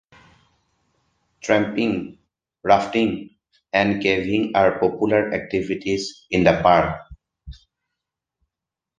Tramping, rafting and caving are popular activities in the park.